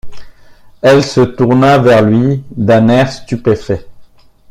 Elle se tourna vers lui d’un air stupéfait.